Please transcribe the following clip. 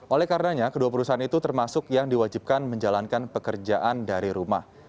oleh karenanya kedua perusahaan itu termasuk yang diwajibkan menjalankan pekerjaan dari rumah